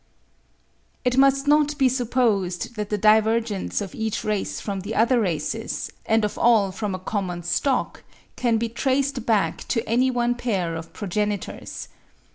It must not be supposed that the divergence of each race from the other races, and of all from a common stock, can be traced back to any one pair of progenitors.